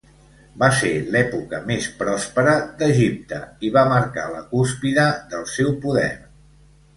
Va ser l'època més pròspera d'Egipte i va marcar la cúspide del seu poder.